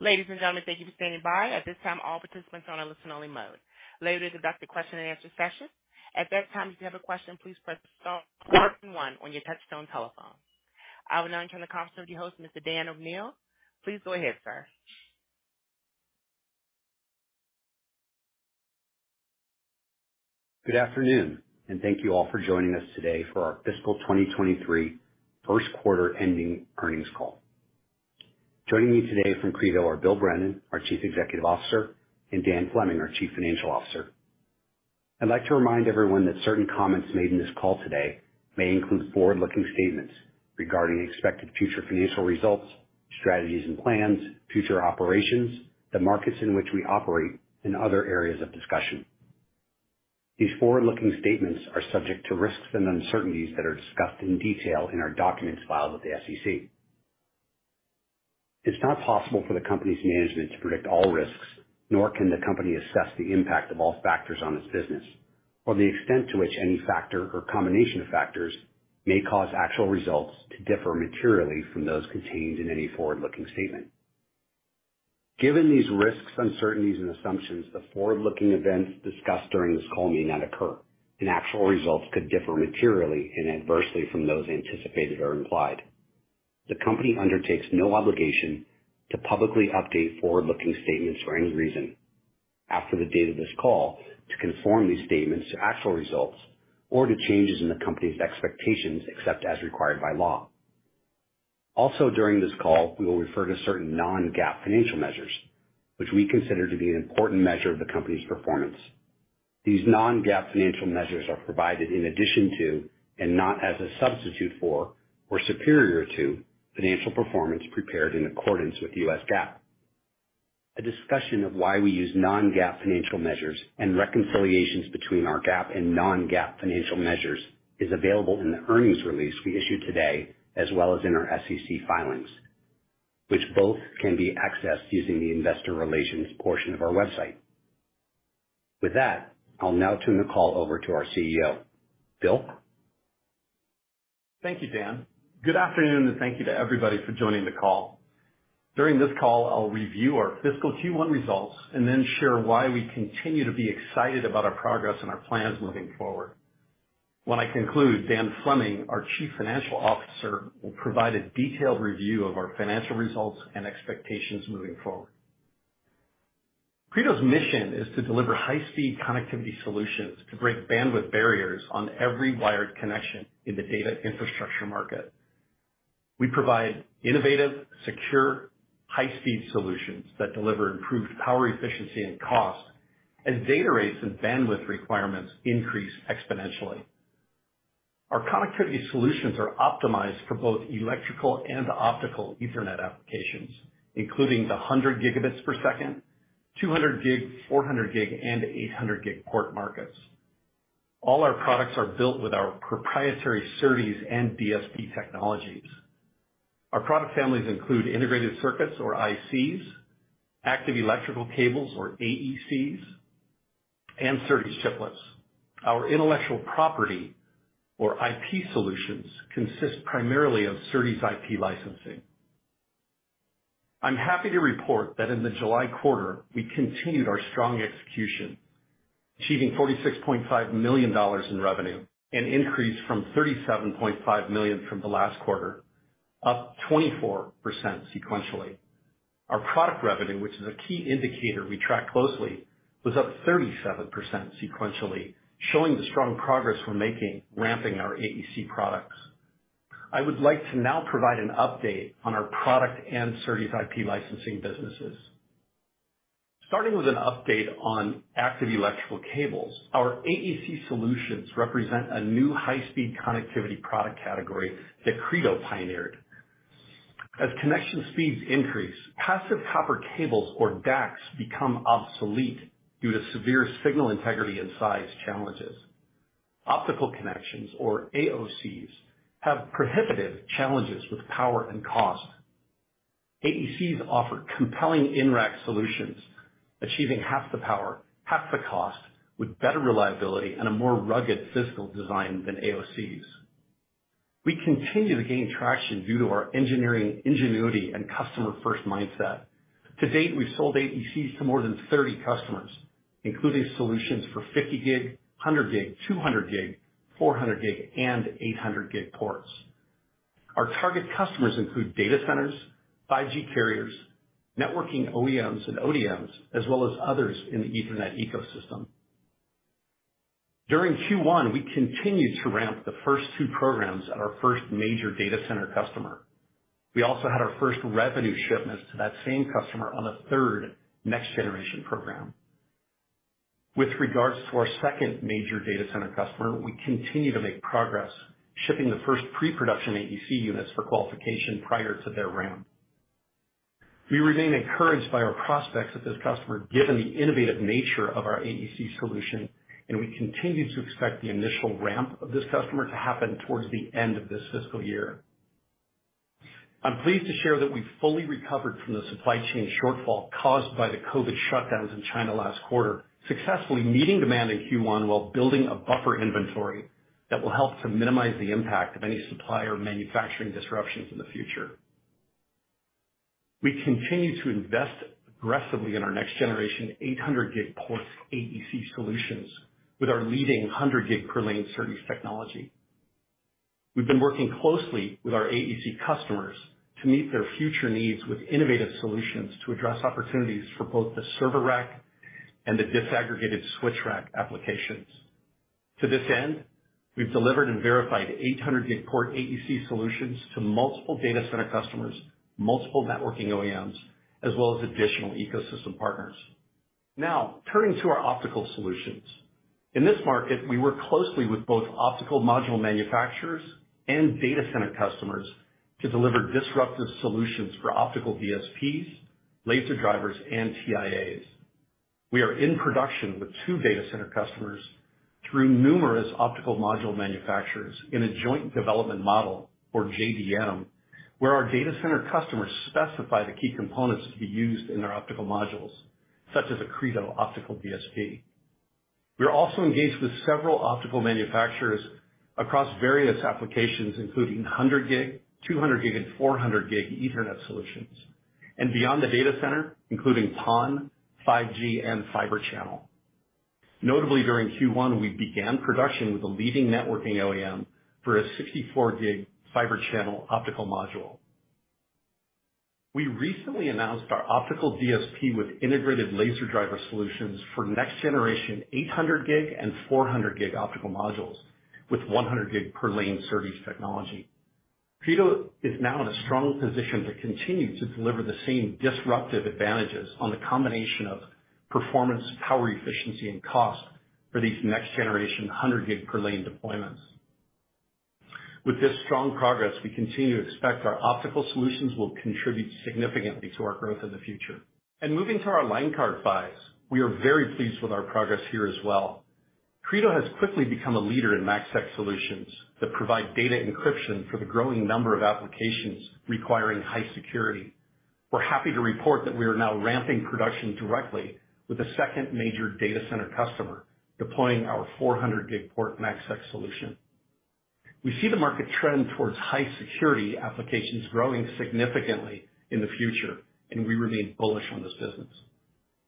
Ladies and gentlemen, thank you for standing by. At this time, all participants are on a listen-only mode. Later, there's a scheduled question and answer session. At that time, if you have a question, please press star point one on your touchtone telephone. I would now turn the conference over to your host, Mr. Dan O'Neil. Please go ahead, sir. Good afternoon, and thank you all for joining us today for our fiscal 2023 first quarter ending earnings call. Joining me today from Credo are Bill Brennan, our Chief Executive Officer, and Dan Fleming, our Chief Financial Officer. I'd like to remind everyone that certain comments made in this call today may include forward-looking statements regarding expected future financial results, strategies and plans, future operations, the markets in which we operate, and other areas of discussion. These forward-looking statements are subject to risks and uncertainties that are discussed in detail in our documents filed with the SEC. It's not possible for the company's management to predict all risks, nor can the company assess the impact of all factors on its business or the extent to which any factor or combination of factors may cause actual results to differ materially from those contained in any forward-looking statement. Given these risks, uncertainties, and assumptions, the forward-looking events discussed during this call may not occur, and actual results could differ materially and adversely from those anticipated or implied. The company undertakes no obligation to publicly update forward-looking statements for any reason after the date of this call to conform these statements to actual results or to changes in the company's expectations, except as required by law. Also, during this call, we will refer to certain non-GAAP financial measures which we consider to be an important measure of the company's performance. These non-GAAP financial measures are provided in addition to and not as a substitute for or superior to financial performance prepared in accordance with US GAAP. A discussion of why we use non-GAAP financial measures and reconciliations between our GAAP and non-GAAP financial measures is available in the earnings release we issued today, as well as in our SEC filings, which both can be accessed using the investor relations portion of our website. With that, I'll now turn the call over to our CEO. Bill? Thank you, Dan. Good afternoon, and thank you to everybody for joining the call. During this call, I'll review our fiscal Q1 results and then share why we continue to be excited about our progress and our plans moving forward. When I conclude, Dan Fleming, our Chief Financial Officer, will provide a detailed review of our financial results and expectations moving forward. Credo's mission is to deliver high-speed connectivity solutions to break bandwidth barriers on every wired connection in the data infrastructure market. We provide innovative, secure, high-speed solutions that deliver improved power efficiency and cost as data rates and bandwidth requirements increase exponentially. Our connectivity solutions are optimized for both electrical and optical Ethernet applications, including the 100 Gbps, 200 gig, 400 gig, and 800 gig port markets. All our products are built with our proprietary SerDes and DSP technologies. Our product families include integrated circuits or ICs, active electrical cables or AECs, and SerDes chiplets. Our intellectual property or IP solutions consist primarily of SerDes IP licensing. I'm happy to report that in the July quarter, we continued our strong execution, achieving $46.5 million in revenue, an increase from $37.5 million from the last quarter, up 24% sequentially. Our product revenue, which is a key indicator we track closely, was up 37% sequentially, showing the strong progress we're making ramping our AEC products. I would like to now provide an update on our product and SerDes IP licensing businesses. Starting with an update on active electrical cables. Our AEC solutions represent a new high-speed connectivity product category that Credo pioneered. As connection speeds increase, passive copper cables or DACs become obsolete due to severe signal integrity and size challenges. Optical connections or AOCs have prohibitive challenges with power and cost. AECs offer compelling in-rack solutions, achieving half the power, half the cost, with better reliability and a more rugged physical design than AOCs. We continue to gain traction due to our engineering ingenuity and customer-first mindset. To date, we've sold AECs to more than 30 customers, including solutions for 50 gig, 100 gig, 200 gig, 400 gig, and 800 gig ports. Our target customers include data centers, 5G carriers, networking OEMs and ODMs, as well as others in the Ethernet ecosystem. During Q1, we continued to ramp the first two programs at our first major data center customer. We also had our first revenue shipments to that same customer on a third next-generation program. With regards to our second major data center customer, we continue to make progress shipping the first pre-production AEC units for qualification prior to their ramp. We remain encouraged by our prospects with this customer, given the innovative nature of our AEC solution, and we continue to expect the initial ramp of this customer to happen towards the end of this fiscal year. I'm pleased to share that we've fully recovered from the supply chain shortfall caused by the COVID shutdowns in China last quarter, successfully meeting demand in Q1 while building a buffer inventory. That will help to minimize the impact of any supplier manufacturing disruptions in the future. We continue to invest aggressively in our next generation 800 gig port AEC solutions with our leading 100 gig per lane SerDes technology. We've been working closely with our AEC customers to meet their future needs with innovative solutions to address opportunities for both the server rack and the disaggregated switch rack applications. To this end, we've delivered and verified 800 gig port AEC solutions to multiple data center customers, multiple networking OEMs, as well as additional ecosystem partners. Now, turning to our optical solutions. In this market, we work closely with both optical module manufacturers and data center customers to deliver disruptive solutions for optical DSPs, laser drivers, and TIAs. We are in production with two data center customers through numerous optical module manufacturers in a joint development model or JDM, where our data center customers specify the key components to be used in our optical modules, such as a Credo optical DSP. We are also engaged with several optical manufacturers across various applications, including 100 gig, 200 gig, and 400 gig Ethernet solutions, and beyond the data center, including PON, 5G, and fiber channel. Notably, during Q1, we began production with a leading networking OEM for a 64 gig fiber channel optical module. We recently announced our optical DSP with integrated laser driver solutions for next-generation 800 gig and 400 gig optical modules with 100 gig per lane SerDes technology. Credo is now in a strong position to continue to deliver the same disruptive advantages on the combination of performance, power, efficiency, and cost for these next-generation 100 gig per lane deployments. With this strong progress, we continue to expect our optical solutions will contribute significantly to our growth in the future. Moving to our line card PHYs, we are very pleased with our progress here as well. Credo has quickly become a leader in MACsec solutions that provide data encryption for the growing number of applications requiring high security. We're happy to report that we are now ramping production directly with a second major data center customer deploying our 400G port MACsec solution. We see the market trend towards high security applications growing significantly in the future, and we remain bullish on this business.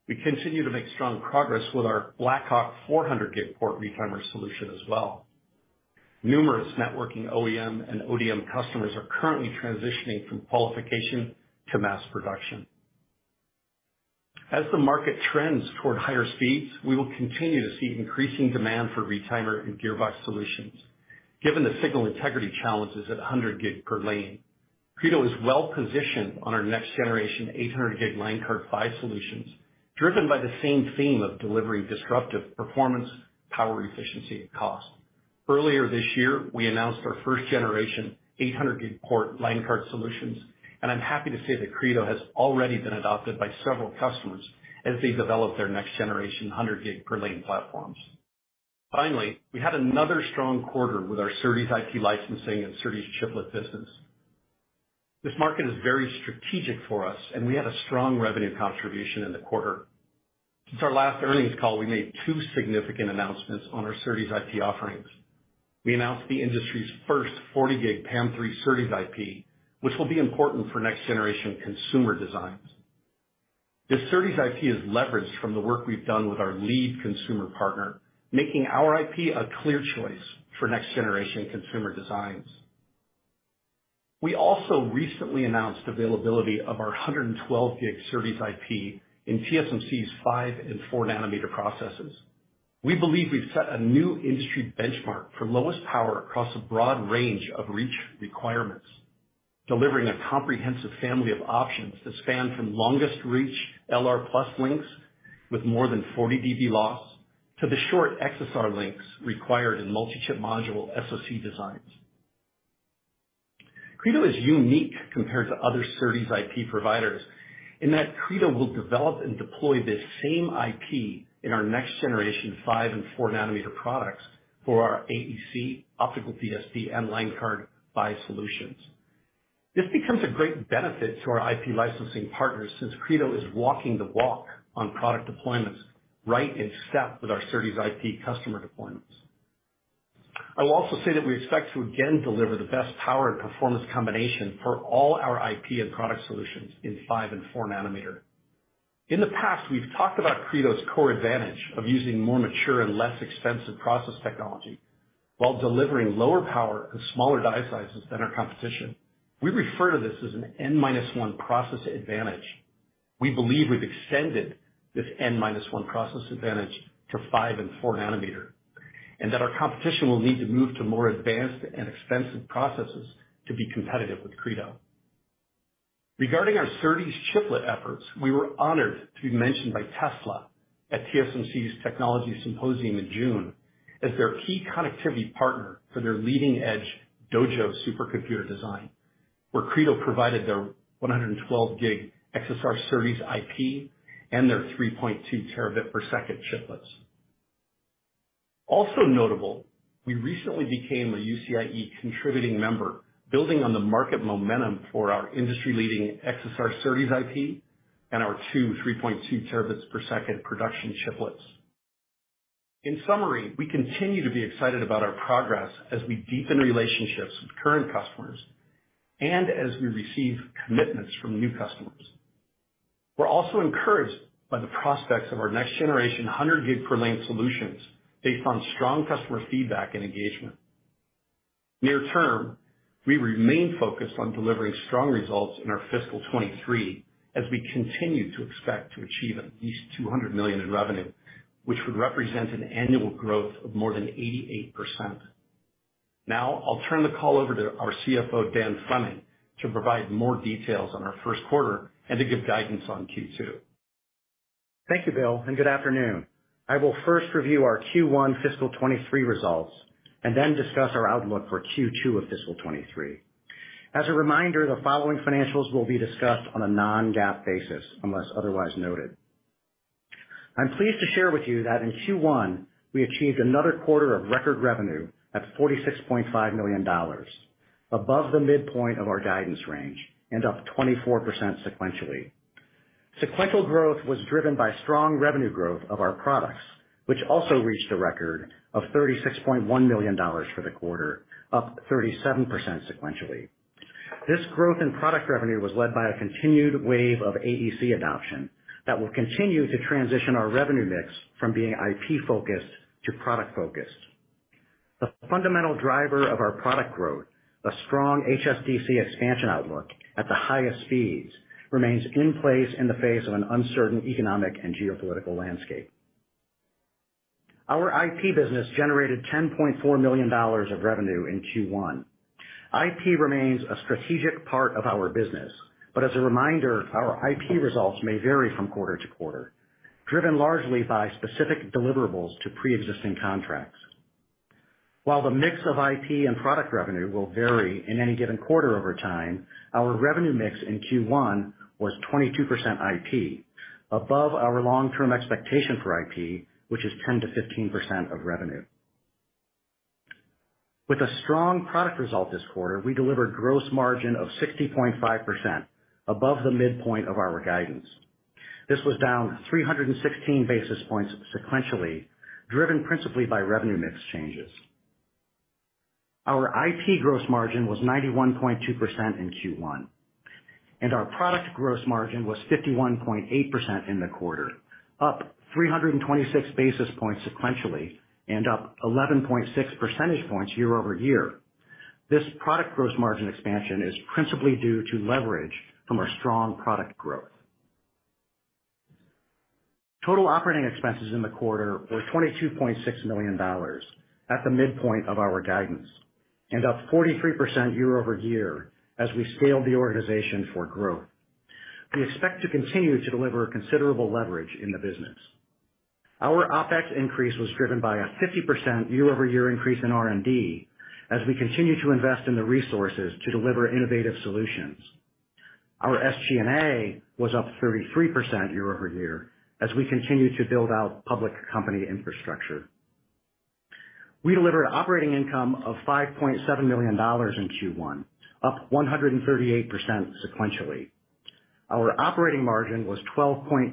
We continue to make strong progress with our Blackhawk 400G port retimer solution as well. Numerous networking OEM and ODM customers are currently transitioning from qualification to mass production. As the market trends toward higher speeds, we will continue to see increasing demand for retimer and gearbox solutions. Given the signal integrity challenges at 100 gig per lane, Credo is well positioned on our next generation 800 gig line card PHYs solutions, driven by the same theme of delivering disruptive performance, power, efficiency, and cost. Earlier this year, we announced our first generation 800 gig port line card solutions, and I'm happy to say that Credo has already been adopted by several customers as they develop their next generation 100 gig per lane platforms. Finally, we had another strong quarter with our SerDes IP licensing and SerDes chiplet business. This market is very strategic for us, and we had a strong revenue contribution in the quarter. Since our last earnings call, we made two significant announcements on our SerDes IP offerings. We announced the industry's first 40 gig PAM3 SerDes IP, which will be important for next generation consumer designs. This SerDes IP is leveraged from the work we've done with our lead consumer partner, making our IP a clear choice for next generation consumer designs. We also recently announced availability of our 112 gig SerDes IP in TSMC's 5 and 4 nanometer processes. We believe we've set a new industry benchmark for lowest power across a broad range of reach requirements, delivering a comprehensive family of options that span from longest reach LR plus links with more than 40 dB loss to the short XSR links required in multi-chip module SOC designs. Credo is unique compared to other SerDes IP providers in that Credo will develop and deploy this same IP in our next generation 5 and 4 nanometer products for our AEC, optical DSP, and line card PHY solutions. This becomes a great benefit to our IP licensing partners since Credo is walking the walk on product deployments right in step with our SerDes IP customer deployments. I will also say that we expect to again deliver the best power and performance combination for all our IP and product solutions in 5 and 4 nanometer. In the past, we've talked about Credo's core advantage of using more mature and less expensive process technology while delivering lower power and smaller die sizes than our competition. We refer to this as an N minus one process advantage. We believe we've extended this N minus one process advantage to 5 and 4 nanometer, and that our competition will need to move to more advanced and expensive processes to be competitive with Credo. Regarding our SerDes chiplet efforts, we were honored to be mentioned by Tesla at TSMC's Technology Symposium in June as their key connectivity partner for their leading edge Dojo supercomputer design, where Credo provided their 112 G XSR SerDes IP and their 3.2 Tb/s chiplets. Also notable, we recently became a UCI contributing member, building on the market momentum for our industry-leading XSR SerDes IP. Our two 3.2 Tb/s production chiplets. In summary, we continue to be excited about our progress as we deepen relationships with current customers and as we receive commitments from new customers. We're also encouraged by the prospects of our next generation 100 gig per lane solutions based on strong customer feedback and engagement. Near term, we remain focused on delivering strong results in our fiscal 2023 as we continue to expect to achieve at least $200 million in revenue, which would represent an annual growth of more than 88%. Now, I'll turn the call over to our CFO, Dan Fleming, to provide more details on our first quarter and to give guidance on Q2. Thank you, Bill, and good afternoon. I will first review our Q1 fiscal 2023 results and then discuss our outlook for Q2 of fiscal 2023. As a reminder, the following financials will be discussed on a non-GAAP basis unless otherwise noted. I'm pleased to share with you that in Q1, we achieved another quarter of record revenue at $46.5 million, above the midpoint of our guidance range and up 24% sequentially. Sequential growth was driven by strong revenue growth of our products, which also reached a record of $36.1 million for the quarter, up 37% sequentially. This growth in product revenue was led by a continued wave of AEC adoption that will continue to transition our revenue mix from being IP focused to product focused. The fundamental driver of our product growth, a strong HSDC expansion outlook at the highest speeds, remains in place in the face of an uncertain economic and geopolitical landscape. Our IP business generated $10.4 million of revenue in Q1. IP remains a strategic part of our business. As a reminder, our IP results may vary from quarter to quarter, driven largely by specific deliverables to pre-existing contracts. While the mix of IP and product revenue will vary in any given quarter over time, our revenue mix in Q1 was 22% IP, above our long-term expectation for IP, which is 10%-15% of revenue. With a strong product result this quarter, we delivered gross margin of 60.5%, above the midpoint of our guidance. This was down 316 basis points sequentially, driven principally by revenue mix changes. Our IP gross margin was 91.2% in Q1, and our product gross margin was 51.8% in the quarter, up 326 basis points sequentially and up 11.6 percentage points year-over-year. This product gross margin expansion is principally due to leverage from our strong product growth. Total operating expenses in the quarter were $22.6 million at the midpoint of our guidance and up 43% year-over-year as we scale the organization for growth. We expect to continue to deliver considerable leverage in the business. Our OpEx increase was driven by a 50% year-over-year increase in R&D as we continue to invest in the resources to deliver innovative solutions. Our SG&A was up 33% year-over-year as we continue to build out public company infrastructure. We delivered operating income of $5.7 million in Q1, up 138% sequentially. Our operating margin was 12.2%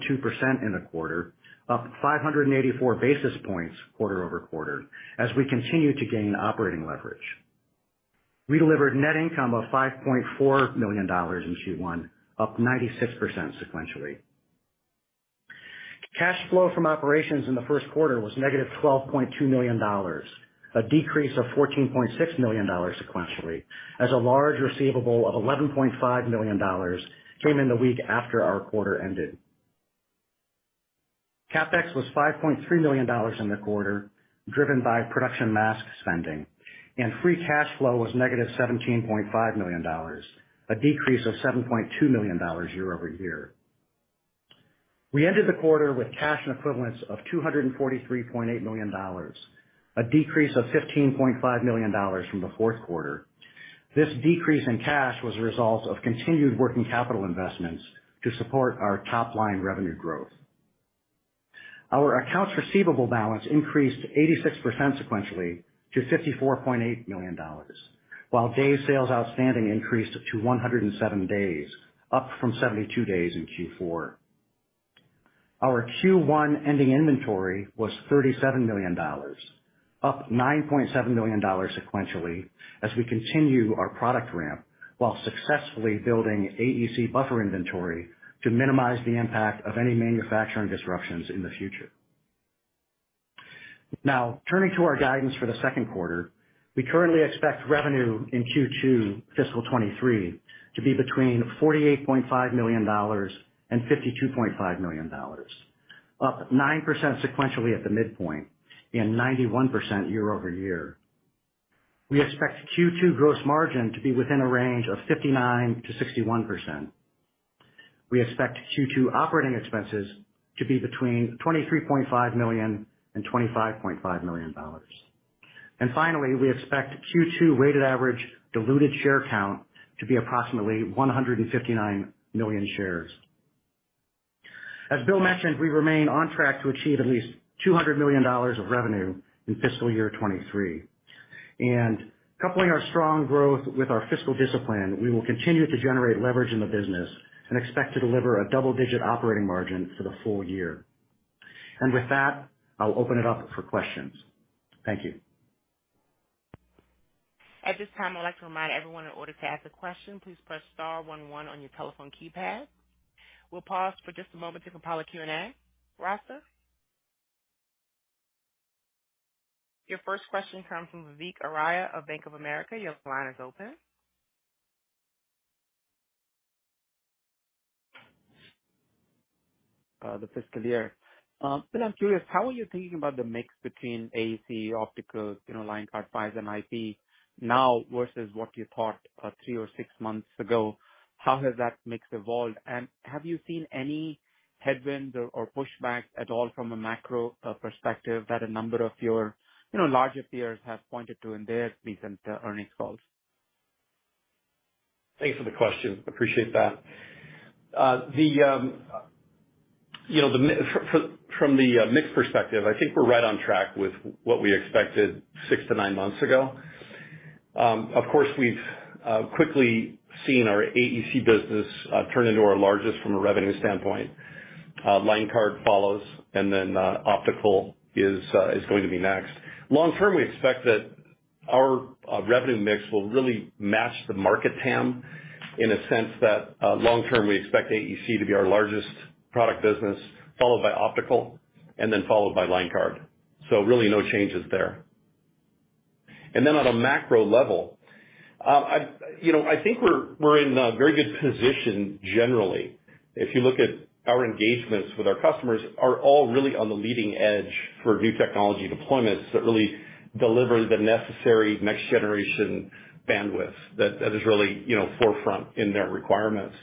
in the quarter, up 584 basis points quarter-over-quarter as we continue to gain operating leverage. We delivered net income of $5.4 million in Q1, up 96% sequentially. Cash flow from operations in the first quarter was -$12.2 million, a decrease of $14.6 million sequentially as a large receivable of $11.5 million came in the week after our quarter ended. CapEx was $5.3 million in the quarter, driven by production mask spending, and free cash flow was -$17.5 million, a decrease of $7.2 million year-over-year. We ended the quarter with cash and equivalents of $243.8 million, a decrease of $15.5 million from the fourth quarter. This decrease in cash was a result of continued working capital investments to support our top line revenue growth. Our accounts receivable balance increased 86% sequentially to $54.8 million, while days sales outstanding increased to 107 days, up from 72 days in Q4. Our Q1 ending inventory was $37 million, up $9.7 million sequentially as we continue our product ramp while successfully building AEC buffer inventory to minimize the impact of any manufacturing disruptions in the future. Now, turning to our guidance for the second quarter. We currently expect revenue in Q2 fiscal 2023 to be between $48.5 million and $52.5 million, up 9% sequentially at the midpoint and 91% year-over-year. We expect Q2 gross margin to be within a range of 59%-61%. We expect Q2 operating expenses to be between $23.5 million and $25.5 million. Finally, we expect Q2 weighted average diluted share count to be approximately 159 million shares. As Bill mentioned, we remain on track to achieve at least $200 million of revenue in fiscal year 2023. Coupling our strong growth with our fiscal discipline, we will continue to generate leverage in the business and expect to deliver a double-digit operating margin for the full year. With that, I'll open it up for questions. Thank you. At this time, I'd like to remind everyone, in order to ask a question, please press star one one on your telephone keypad. We'll pause for just a moment to compile a Q&A. Rasa? Your first question comes from Vivek Arya of Bank of America. Your line is open. Bill, I'm curious, how are you thinking about the mix between AECs, optical, you know, line card PHYs and IP now versus what you thought three or six months ago? How has that mix evolved? Have you seen any headwinds or pushback at all from a macro perspective that a number of your, you know, larger peers have pointed to in their recent earnings calls? Thanks for the question. Appreciate that. You know, from the mix perspective, I think we're right on track with what we expected six-nine months ago. Of course, we've quickly seen our AEC business turn into our largest from a revenue standpoint. Line card follows, and then optical is going to be next. Long term, we expect that our revenue mix will really match the market TAM in a sense that long term, we expect AEC to be our largest product business, followed by optical and then followed by line card. So really no changes there. On a macro level, you know, I think we're in a very good position generally. If you look at our engagements with our customers are all really on the leading edge for new technology deployments that really deliver the necessary next generation bandwidth that is really, you know, forefront in their requirements.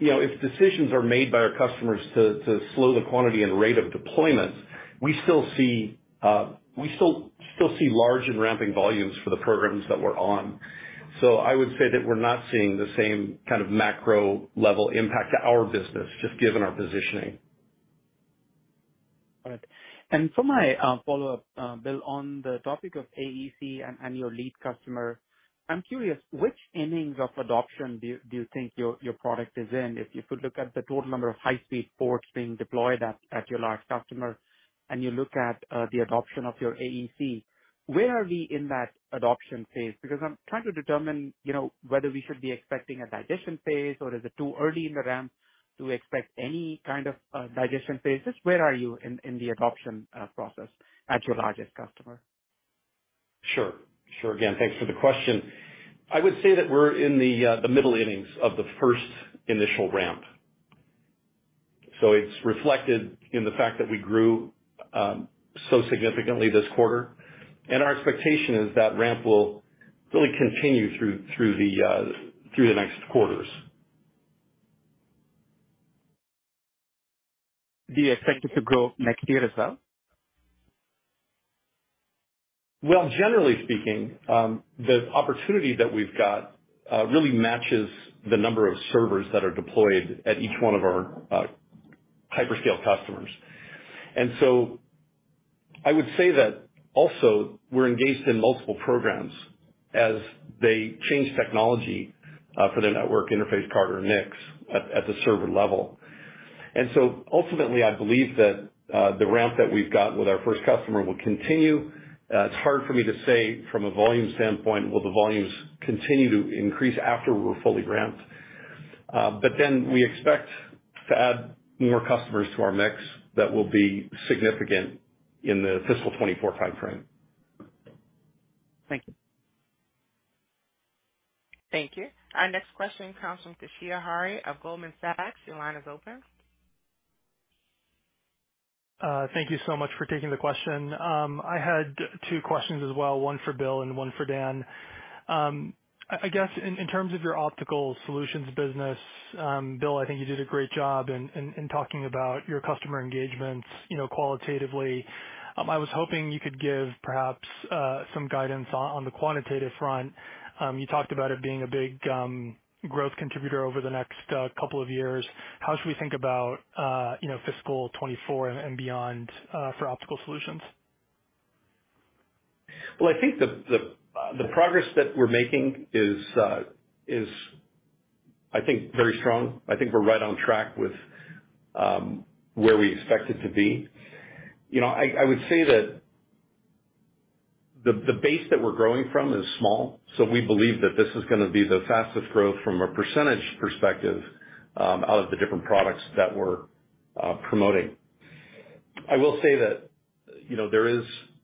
You know, if decisions are made by our customers to slow the quantity and rate of deployments, we still see large and ramping volumes for the programs that we're on. I would say that we're not seeing the same kind of macro level impact to our business, just given our positioning. All right. For my follow-up, Bill, on the topic of AEC and your lead customer, I'm curious which innings of adoption do you think your product is in? If you could look at the total number of high-speed ports being deployed at your large customer and you look at the adoption of your AEC, where are we in that adoption phase? Because I'm trying to determine, you know, whether we should be expecting a digestion phase or is it too early in the ramp to expect any kind of digestion phases. Where are you in the adoption process at your largest customer? Sure. Again, thanks for the question. I would say that we're in the middle innings of the first initial ramp. So it's reflected in the fact that we grew so significantly this quarter. Our expectation is that ramp will really continue through the next quarters. Do you expect it to grow next year as well? Well, generally speaking, the opportunity that we've got really matches the number of servers that are deployed at each one of our hyperscale customers. I would say that also we're engaged in multiple programs as they change technology for their network interface card or NICs at the server level. Ultimately, I believe that the ramp that we've got with our first customer will continue. It's hard for me to say from a volume standpoint, will the volumes continue to increase after we're fully ramped? We expect to add more customers to our mix that will be significant in the fiscal 2024 timeframe. Thank you. Thank you. Our next question comes from Toshiya Hari of Goldman Sachs. Your line is open. Thank you so much for taking the question. I had two questions as well, one for Bill and one for Dan. I guess in terms of your optical solutions business, Bill, I think you did a great job in talking about your customer engagements, you know, qualitatively. I was hoping you could give perhaps some guidance on the quantitative front. You talked about it being a big growth contributor over the next couple of years. How should we think about, you know, fiscal 2024 and beyond, for optical solutions? Well, I think the progress that we're making is I think very strong. I think we're right on track with where we expect it to be. You know, I would say that the base that we're growing from is small, so we believe that this is gonna be the fastest growth from a percentage perspective out of the different products that we're promoting. I will say that, you know, there is, you know,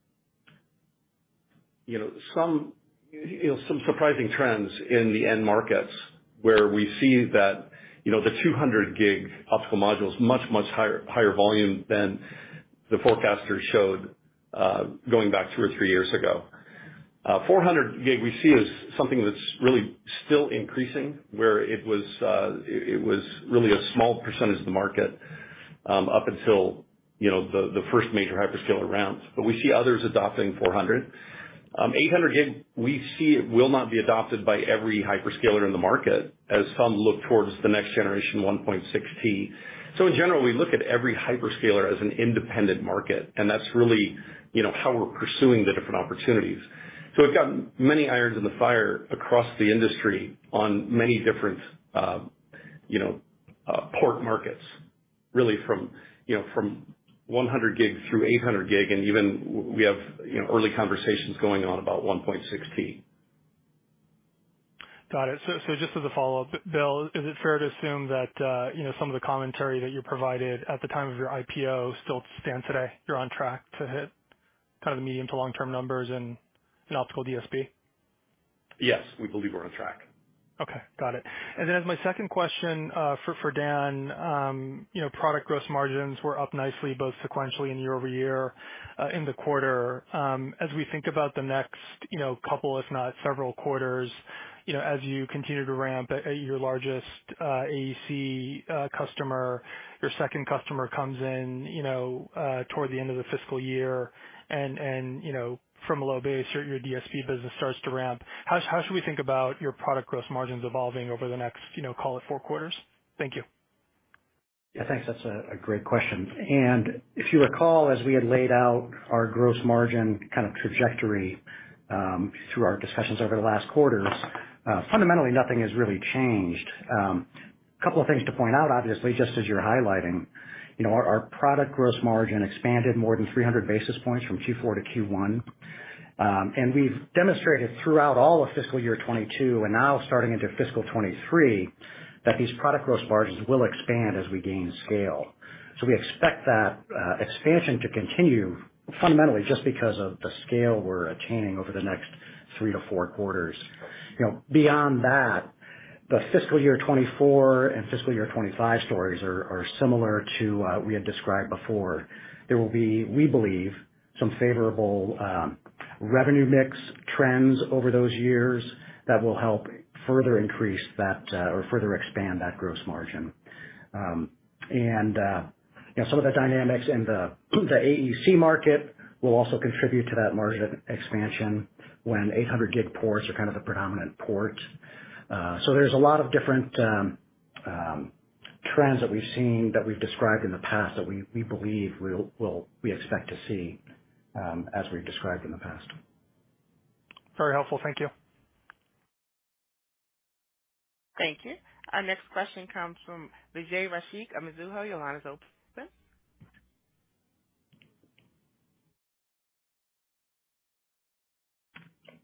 some surprising trends in the end markets where we see that, you know, the 200 gig optical modules much higher volume than the forecast showed going back two or three years ago. 400 gig we see as something that's really still increasing where it was, it was really a small percentage of the market. Up until, you know, the first major hyperscaler rounds. We see others adopting 400. 800 gig, we see it will not be adopted by every hyperscaler in the market, as some look towards the next generation 1.6 T. In general, we look at every hyperscaler as an independent market, and that's really, you know, how we're pursuing the different opportunities. We've got many irons in the fire across the industry on many different, you know, port markets, really from, you know, from 100 gig through 800 gig, and even we have, you know, early conversations going on about 1.6 T. Got it. Just as a follow-up, Bill, is it fair to assume that, you know, some of the commentary that you provided at the time of your IPO still stands today? You're on track to hit kind of the medium to long-term numbers in optical DSP? Yes. We believe we're on track. Okay. Got it. Then as my second question, for Dan, you know, product gross margins were up nicely both sequentially and year-over-year, in the quarter. As we think about the next, you know, couple, if not several quarters, you know, as you continue to ramp at your largest AEC customer, your second customer comes in, you know, toward the end of the fiscal year, and you know, from a low base, your DSP business starts to ramp, how should we think about your product gross margins evolving over the next, you know, call it four quarters? Thank you. Yeah, thanks. That's a great question. If you recall, as we had laid out our gross margin kind of trajectory through our discussions over the last quarters, fundamentally nothing has really changed. A couple of things to point out, obviously, just as you're highlighting, you know, our product gross margin expanded more than 300 basis points from Q4 to Q1. We've demonstrated throughout all of fiscal year 2022 and now starting into fiscal 2023, that these product gross margins will expand as we gain scale. We expect that expansion to continue fundamentally just because of the scale we're attaining over the next three-four quarters. You know, beyond that, the fiscal year 2024 and fiscal year 2025 stories are similar to we had described before. There will be, we believe, some favorable revenue mix trends over those years that will help further increase that, or further expand that gross margin. You know, some of the dynamics in the AEC market will also contribute to that margin expansion when 800gig ports are kind of the predominant port. There's a lot of different trends that we've seen, that we've described in the past that we believe we expect to see, as we've described in the past. Very helpful. Thank you. Thank you. Our next question comes from Vijay Rakesh of Mizuho. Your line is open.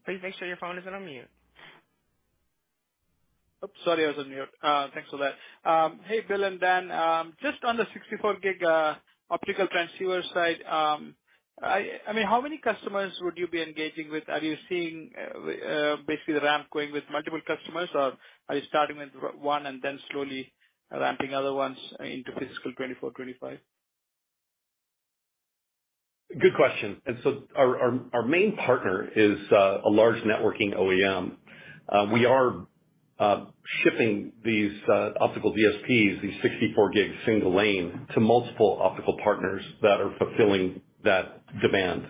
Please make sure your phone isn't on mute. Oops, sorry, I was on mute. Thanks for that. Hey, Bill and Dan. Just on the 64 gig optical transceiver side, I mean, how many customers would you be engaging with? Are you seeing basically the ramp going with multiple customers, or are you starting with one and then slowly ramping other ones into fiscal 2024, 2025? Good question. Our main partner is a large networking OEM. We are shipping these optical DSPs, these 64 gig single lane to multiple optical partners that are fulfilling that demand,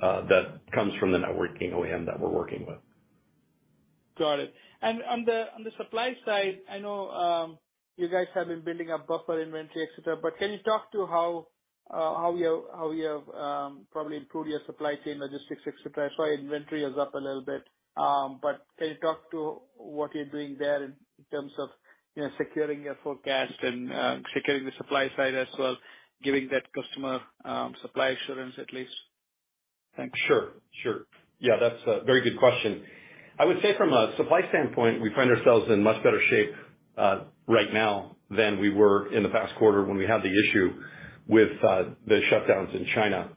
that comes from the networking OEM that we're working with. Got it. On the supply side, I know you guys have been building up buffer inventory, et cetera, but can you talk to how you have probably improved your supply chain logistics, et cetera. I saw inventory is up a little bit. Can you talk to what you're doing there in terms of, you know, securing your forecast and securing the supply side as well, giving that customer supply assurance at least? Thanks. Sure. Yeah, that's a very good question. I would say from a supply standpoint, we find ourselves in much better shape right now than we were in the past quarter when we had the issue with the shutdowns in China.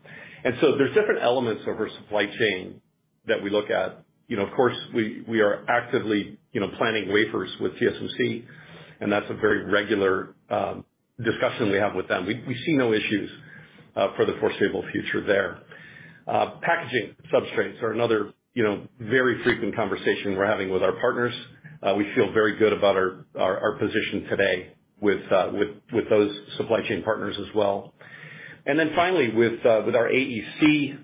There's different elements of our supply chain that we look at. You know, of course, we are actively planning wafers with TSMC, and that's a very regular discussion we have with them. We see no issues for the foreseeable future there. Packaging substrates are another very frequent conversation we're having with our partners. We feel very good about our position today with those supply chain partners as well. Finally, with our AEC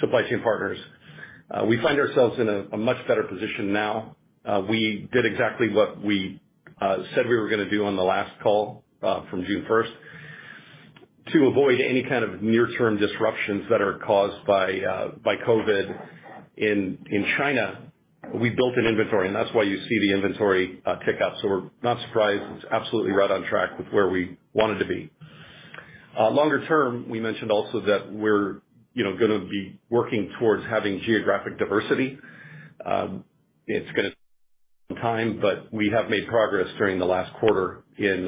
supply chain partners, we find ourselves in a much better position now. We did exactly what we said we were gonna do on the last call from June first. To avoid any kind of near-term disruptions that are caused by COVID in China, we built an inventory, and that's why you see the inventory tick up. We're not surprised. It's absolutely right on track with where we wanted to be. Longer term, we mentioned also that we're, you know, gonna be working towards having geographic diversity. It's gonna take some time, but we have made progress during the last quarter in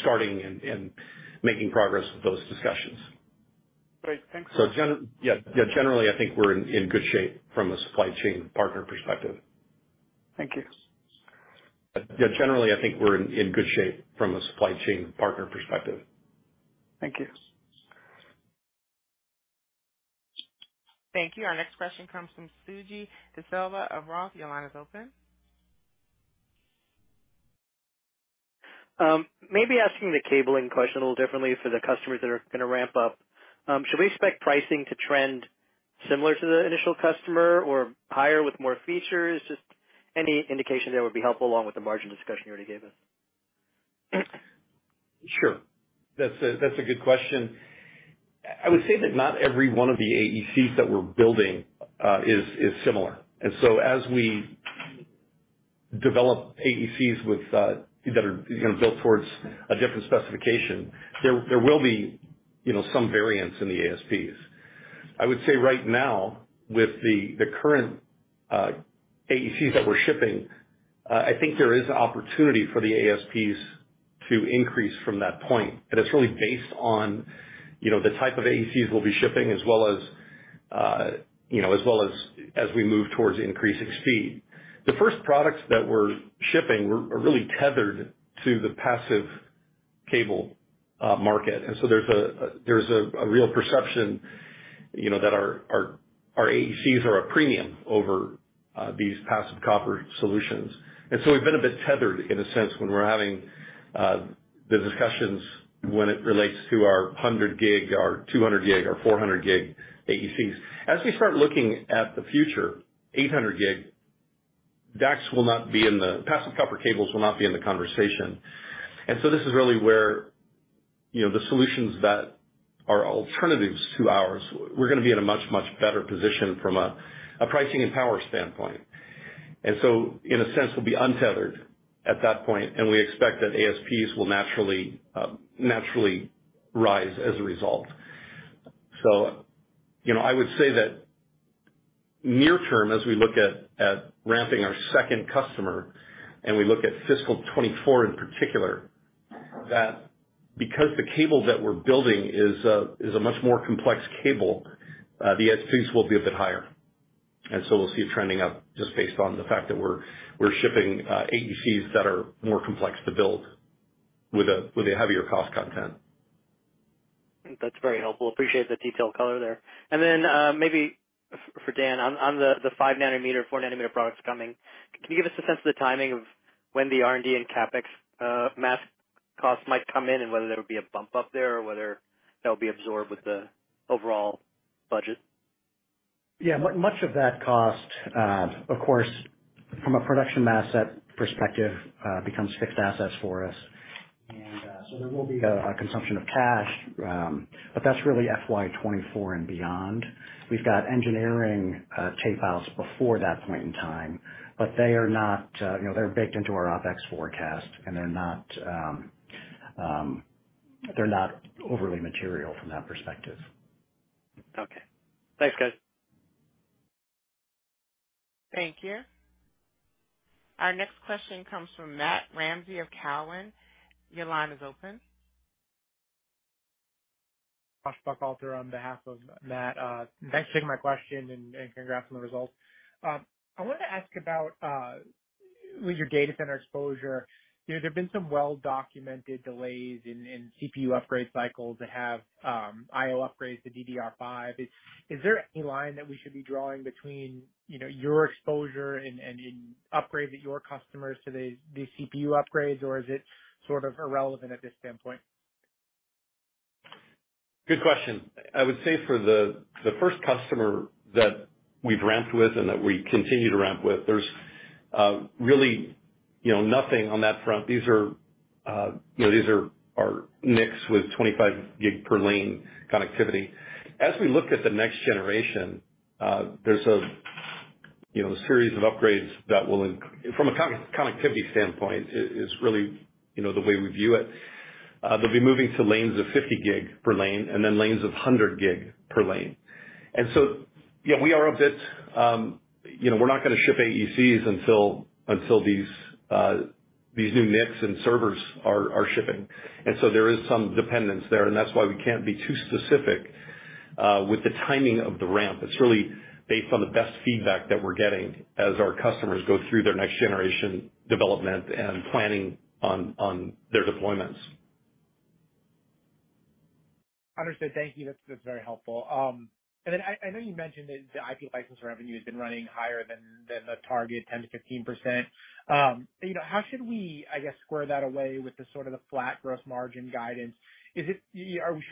starting and making progress with those discussions. Great. Thanks for Yeah, generally, I think we're in good shape from a supply chain partner perspective. Thank you. Thank you. Our next question comes from Suji Desilva of Roth. Your line is open. Maybe asking the cabling question a little differently for the customers that are gonna ramp up. Should we expect pricing to trend similar to the initial customer or higher with more features? Just any indication there would be helpful along with the margin discussion you already gave us. Sure. That's a good question. I would say that not every one of the AECs that we're building is similar. As we develop AECs with that are, you know, built towards a different specification, there will be, you know, some variance in the ASPs. I would say right now with the current AECs that we're shipping, I think there is opportunity for the ASPs to increase from that point. It's really based on, you know, the type of AECs we'll be shipping as well as, you know, as we move towards increasing speed. The first products that we're shipping are really tethered to the passive cable market. There's a real perception, you know, that our AECs are a premium over these passive copper solutions. We've been a bit tethered in a sense when we're having the discussions when it relates to our 100 gig, our 200 gig, our 400 gig AECs. As we start looking at the future, 800 gig passive copper cables will not be in the conversation. This is really where the solutions that are alternatives to ours, we're gonna be in a much better position from a pricing and power standpoint. In a sense, we'll be untethered at that point, and we expect that ASPs will naturally rise as a result. You know, I would say that near term, as we look at ramping our second customer, and we look at fiscal 2024 in particular, that because the cable that we're building is a much more complex cable, the ASPs will be a bit higher. We'll see it trending up just based on the fact that we're shipping AECs that are more complex to build with a heavier cost content. That's very helpful. Appreciate the detailed color there. Then, maybe for Dan, on the five nanometer, four nanometer products coming, can you give us a sense of the timing of when the R&D and CapEx mass costs might come in, and whether there would be a bump up there, or whether that'll be absorbed with the overall budget? Yeah. Much of that cost, of course, from a production standpoint, becomes fixed assets for us. There will be a consumption of cash, but that's really FY 2024 and beyond. We've got engineering tape-outs before that point in time, but they are not, you know, they're baked into our OpEx forecast, and they're not overly material from that perspective. Okay. Thanks, guys. Thank you. Our next question comes from Matthew Ramsay of TD Cowen. Your line is open. Joshua Buchalter on behalf of Matthew Ramsay. Thanks for taking my question and congrats on the results. I wanted to ask about with your data center exposure, you know, there've been some well-documented delays in CPU upgrade cycles that have delayed IO upgrades to DDR5. Is there any line that we should be drawing between, you know, your exposure and the upgrade that your customers to the CPU upgrades, or is it sort of irrelevant at this standpoint? Good question. I would say for the first customer that we've ramped with and that we continue to ramp with, there's really you know nothing on that front. These are you know our NICs with 25 gig per lane connectivity. As we look at the next generation, there's a you know series of upgrades from a connectivity standpoint is really you know the way we view it. They'll be moving to lanes of 50 gig per lane and then lanes of 100 gig per lane. You know we are a bit you know we're not gonna ship AECs until these new NICs and servers are shipping. There is some dependence there, and that's why we can't be too specific with the timing of the ramp. It's really based on the best feedback that we're getting as our customers go through their next generation development and planning on their deployments. Understood. Thank you. That's very helpful. I know you mentioned that the IP license revenue has been running higher than the target 10%-15%. You know, how should we, I guess, square that away with the sort of the flat gross margin guidance? Should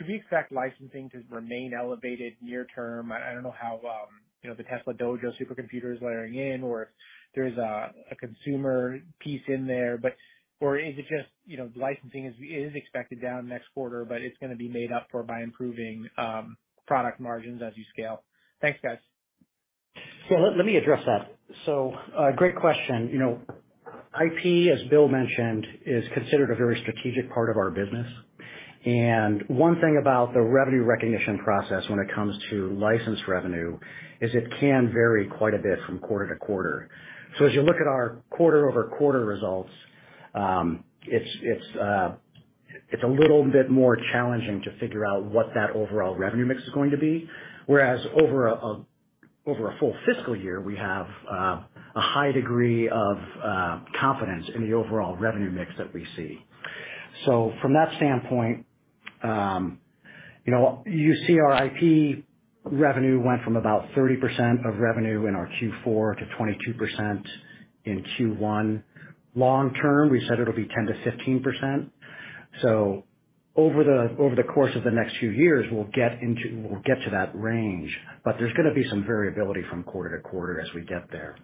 we expect licensing to remain elevated near term? I don't know how, you know, the Tesla Dojo supercomputer is layering in or if there's a consumer piece in there, but or is it just, you know, licensing is expected down next quarter, but it's gonna be made up for by improving product margins as you scale. Thanks, guys. Let me address that. Great question. You know, IP, as Bill mentioned, is considered a very strategic part of our business. One thing about the revenue recognition process when it comes to license revenue is it can vary quite a bit from quarter to quarter. As you look at our quarter-over-quarter results, it's a little bit more challenging to figure out what that overall revenue mix is going to be. Whereas over a full fiscal year, we have a high degree of confidence in the overall revenue mix that we see. From that standpoint, you know, you see our IP revenue went from about 30% of revenue in our Q4 to 22% in Q1. Long term, we said it'll be 10%-15%. Over the course of the next few years, we'll get to that range, but there's gonna be some variability from quarter to quarter as we get there.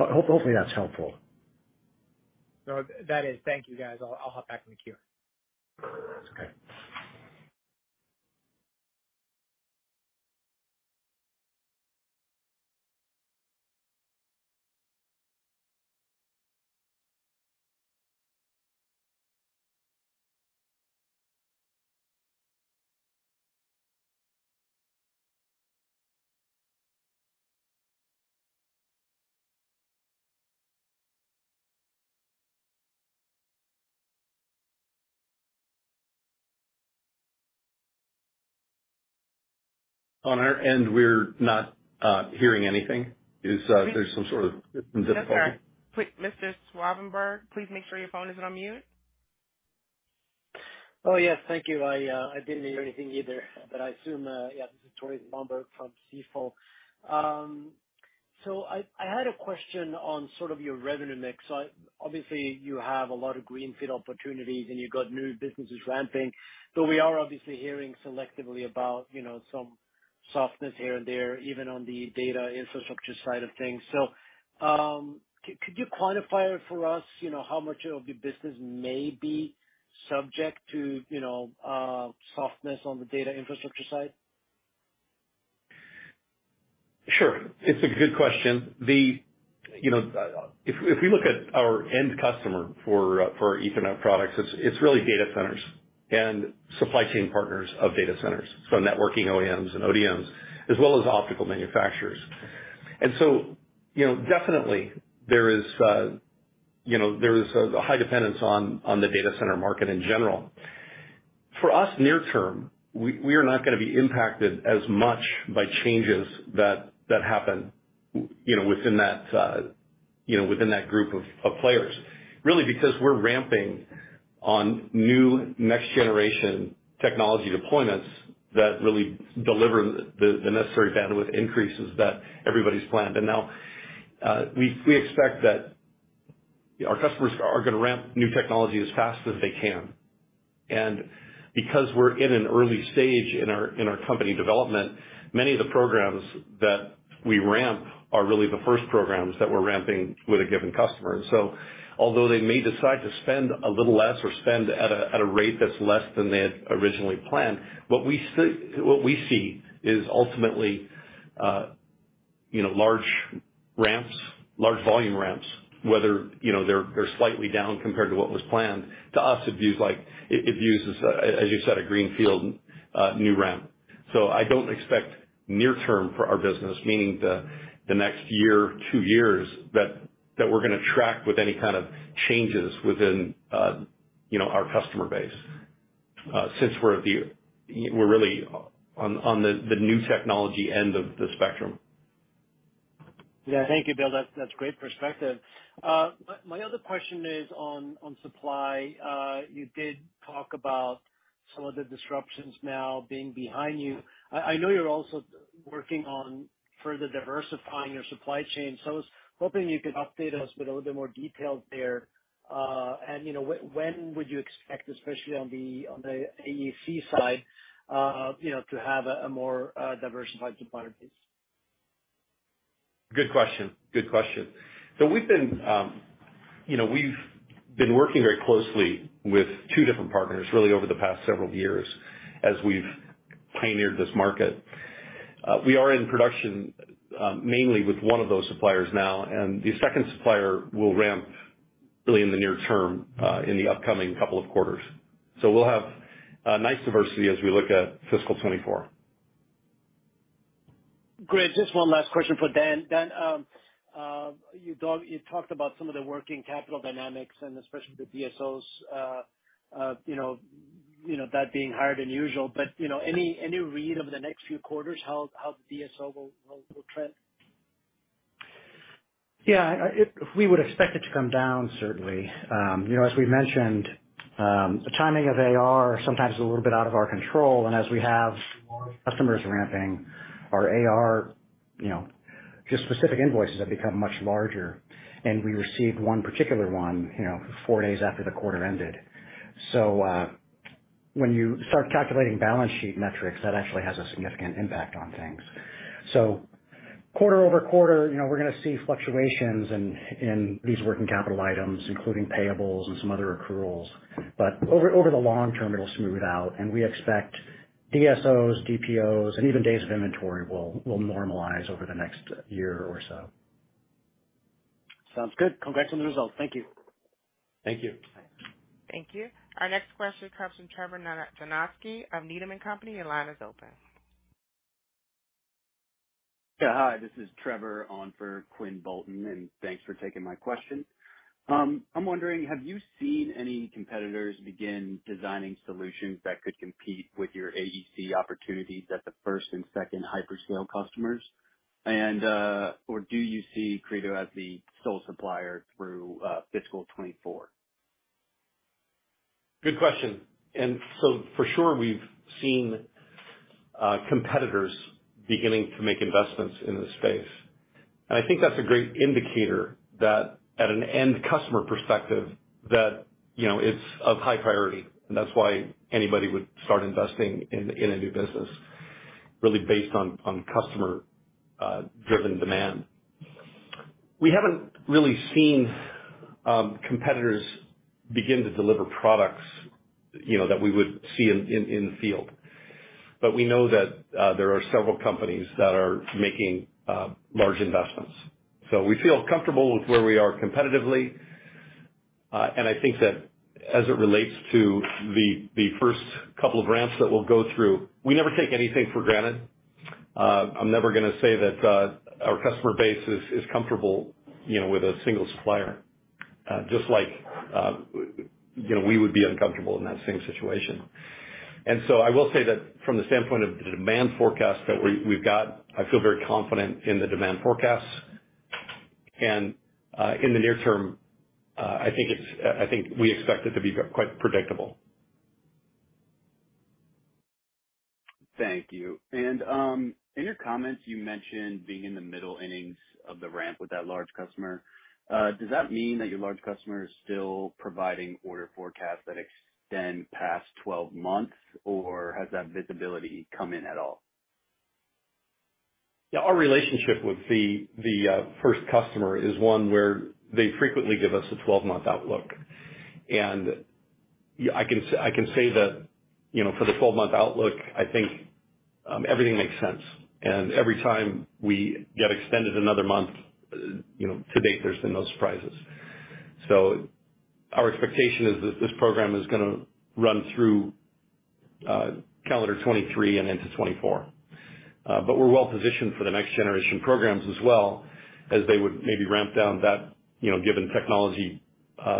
Hopefully that's helpful. No, that is. Thank you, guys. I'll hop back in the queue. Okay. On our end, we're not hearing anything. Is there some sort of difficulty? Yes, sir. Mr. Svanberg, please make sure your phone isn't on mute. Oh, yes. Thank you. I didn't hear anything either, but I assume. Yeah, this is Tore Svanberg from Stifel. I had a question on sort of your revenue mix. Obviously you have a lot of greenfield opportunities, and you've got new businesses ramping. Though we are obviously hearing selectively about, you know, some softness here and there, even on the data infrastructure side of things. Could you quantify for us, you know, how much of your business may be subject to, you know, softness on the data infrastructure side? Sure. It's a good question. You know, if we look at our end customer for Ethernet products, it's really data centers and supply chain partners of data centers, so networking OEMs and ODMs as well as optical manufacturers. You know, definitely there is a high dependence on the data center market in general. For us near term, we are not gonna be impacted as much by changes that happen within that group of players, really because we're ramping on new next generation technology deployments that really deliver the necessary bandwidth increases that everybody's planned. Now, we expect that our customers are gonna ramp new technology as fast as they can. Because we're in an early stage in our company development, many of the programs that we ramp are really the first programs that we're ramping with a given customer. Although they may decide to spend a little less or spend at a rate that's less than they had originally planned, what we see is ultimately, you know, large ramps, large volume ramps, whether you know they're slightly down compared to what was planned. To us, it feels like it feels as you said, a greenfield new ramp. I don't expect near term for our business, meaning the next year, two years, that we're gonna track with any kind of changes within our customer base, since we're really on the new technology end of the spectrum. Yeah. Thank you, Bill. That's great perspective. My other question is on supply. You did talk about some of the disruptions now being behind you. I know you're also working on further diversifying your supply chain, so I was hoping you could update us with a little bit more detail there. You know, when would you expect, especially on the AEC side, you know, to have a more diversified supplier base? Good question. We've been, you know, working very closely with two different partners really over the past several years as we've pioneered this market. We are in production mainly with one of those suppliers now, and the second supplier will ramp really in the near term in the upcoming couple of quarters. We'll have a nice diversity as we look at fiscal 2024. Great. Just one last question for Dan. Dan, you talked about some of the working capital dynamics and especially the DSOs, you know, that being higher than usual. You know, any read over the next few quarters how the DSO will trend? Yeah. We would expect it to come down certainly. You know, as we mentioned, the timing of AR sometimes is a little bit out of our control, and as we have more customers ramping our AR, you know, just specific invoices have become much larger. We received one particular one, you know, four days after the quarter ended. When you start calculating balance sheet metrics, that actually has a significant impact on things. Quarter-over-quarter, you know, we're gonna see fluctuations in these working capital items, including payables and some other accruals. Over the long term, it'll smooth out, and we expect DSOs, DPOs, and even days of inventory will normalize over the next year or so. Sounds good. Congrats on the results. Thank you. Thank you. Thanks. Thank you. Our next question comes from Trevor Nosk of Needham & Company. Your line is open. Yeah. Hi, this is Trevor Nosk on for Quinn Bolton, and thanks for taking my question. I'm wondering, have you seen any competitors begin designing solutions that could compete with your AEC opportunities at the first and second hyperscale customers? Do you see Credo as the sole supplier through fiscal 2024? Good question. For sure, we've seen competitors beginning to make investments in this space. I think that's a great indicator that from an end customer perspective that, you know, it's of high priority, and that's why anybody would start investing in a new business really based on customer driven demand. We haven't really seen competitors begin to deliver products, you know, that we would see in the field. We know that there are several companies that are making large investments. We feel comfortable with where we are competitively. I think that as it relates to the first couple of ramps that we'll go through, we never take anything for granted. I'm never gonna say that our customer base is comfortable, you know, with a single supplier, just like, you know, we would be uncomfortable in that same situation. I will say that from the standpoint of the demand forecast that we've got, I feel very confident in the demand forecasts. In the near term, I think we expect it to be quite predictable. Thank you. In your comments, you mentioned being in the middle innings of the ramp with that large customer. Does that mean that your large customer is still providing order forecasts that extend past 12 months, or has that visibility come in at all? Yeah, our relationship with the first customer is one where they frequently give us a 12-month outlook. I can say that, you know, for the 12-month outlook, I think everything makes sense. Every time we get extended another month, you know, to date, there's been no surprises. Our expectation is that this program is gonna run through calendar 2023 and into 2024. We're well positioned for the next generation programs as well as they would maybe ramp down that, you know, given technology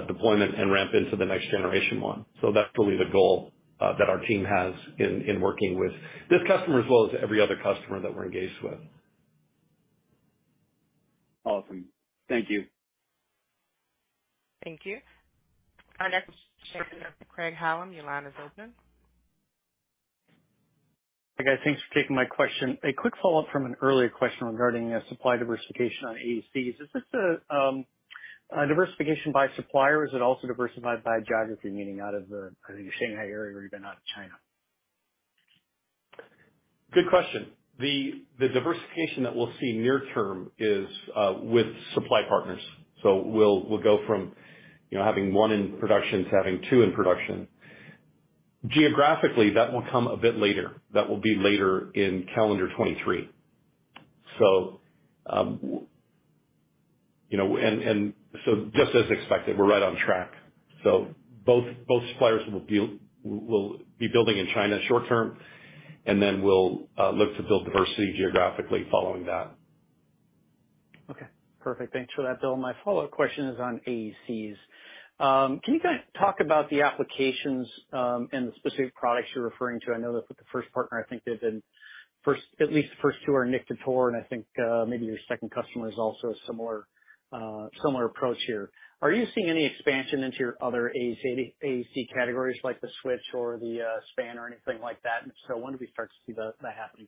deployment and ramp into the next generation one. That's really the goal that our team has in working with this customer as well as every other customer that we're engaged with. Awesome. Thank you. Thank you. Our next question is Craig-Hallum, Richard Shannon. Hey, guys. Thanks for taking my question. A quick follow-up from an earlier question regarding supply diversification on AECs. Is this a diversification by supplier or is it also diversified by geography, meaning out of the, I think, Shanghai area or even out of China? Good question. The diversification that we'll see near term is with supply partners. We'll go from, you know, having one in production to having two in production. Geographically, that will come a bit later. That will be later in calendar 2023. You know, just as expected, we're right on track. Both suppliers will be. We'll be building in China short term, and then we'll look to build diversity geographically following that. Okay, perfect. Thanks for that, Bill. My follow-up question is on AECs. Can you guys talk about the applications and the specific products you're referring to? I know that with the first partner, I think at least the first two are NIC-to-ToR, and I think maybe your second customer is also a similar approach here. Are you seeing any expansion into your other AEC categories like the switch or the span or anything like that? And if so, when do we start to see that happening?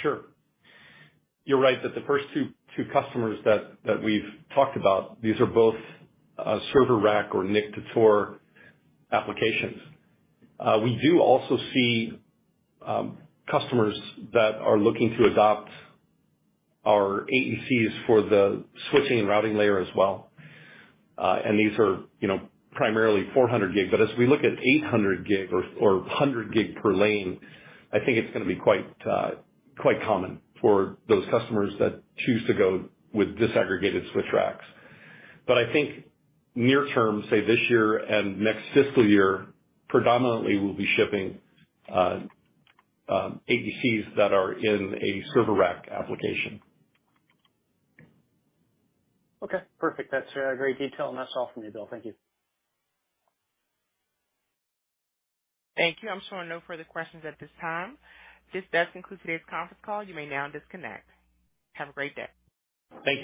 Sure. You're right that the first two customers that we've talked about, these are both server rack or NIC-to-ToR applications. We do also see customers that are looking to adopt our AECs for the switching and routing layer as well. These are, you know, primarily 400 gig. As we look at 800 gig or 100 gig per lane, I think it's gonna be quite common for those customers that choose to go with disaggregated switch racks. I think near term, say, this year and next fiscal year, predominantly we'll be shipping AECs that are in a server rack application. Okay, perfect. That's great detail. That's all from me, Bill. Thank you. Thank you. I'm showing no further questions at this time. This does conclude today's conference call. You may now disconnect. Have a great day. Thank you.